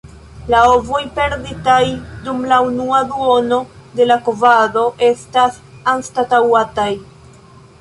La ovoj perditaj dum la unua duono de la kovado estas anstataŭataj.